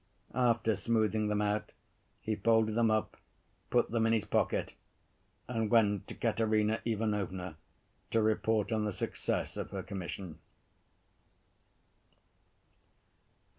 After smoothing them out, he folded them up, put them in his pocket and went to Katerina Ivanovna to report on the success of her commission.